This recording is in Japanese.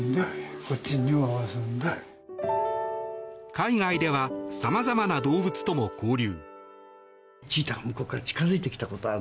海外では様々な動物とも交流。